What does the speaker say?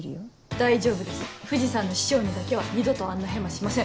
大丈夫です藤さんの師匠にだけは二度とあんなヘマしません。